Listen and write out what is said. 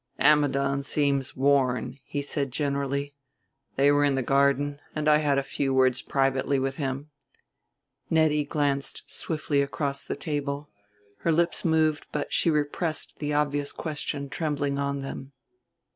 "Ammidon seems worn," he said generally; "they were in the garden, and I had a few words privately with him." Nettie glanced swiftly across the table; her lips moved; but she repressed the obvious question trembling on them.